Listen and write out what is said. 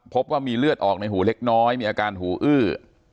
พบว่ามีเลือดออกในหูเล็กน้อยมีอาการหูอื้อ